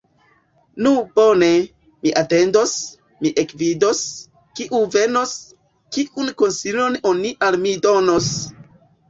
Nu bone, mi atendos, mi ekvidos, kiu venos, kiun konsilon oni al mi donos!